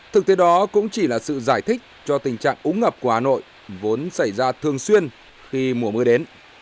thực tế đó cũng chỉ là sự giải thích cho tình trạng ống ngập của hà nội vốn xảy ra thường xuyên khi mùa mưa đến